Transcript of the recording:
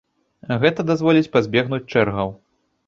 Гэта дазволіць пазбегнуць чэргаў.